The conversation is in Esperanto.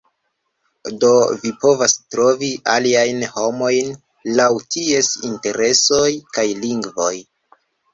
Do, vi povos trovi aliajn homojn laŭ ties interesoj kaj lingvoj